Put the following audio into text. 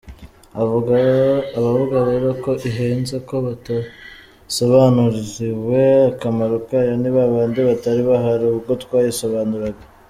Abavuga rero ko ihenze, ko batasobanuriwe akamaro kayo ni babandi batari bahari ubwo twayisobanuraga.